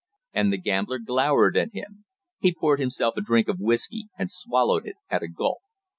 And the gambler glowered at him. He poured himself a drink of whisky and swallowed it at a gulp.